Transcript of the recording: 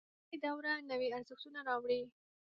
نوې دوره نوي ارزښتونه راوړي